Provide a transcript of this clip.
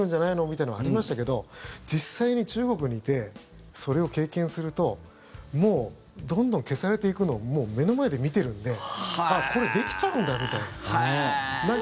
みたいなのありましたけど実際に中国にいてそれを経験するとどんどん消されていくのをもう目の前で見てるのでこれ、できちゃうんだみたいな。